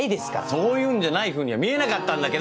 そういうんじゃないふうには見えなかったんだけど。